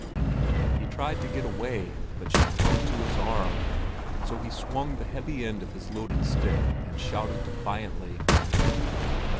He tried to get away, but she clung to his arm; so he swung the heavy end of his loaded stick and shouted defiantly.